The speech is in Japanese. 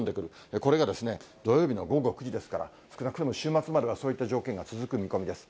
これが土曜日の午後９時ですから、少なくとも週末まではそういった条件が続く見込みです。